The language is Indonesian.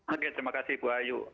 oke terima kasih bu ayu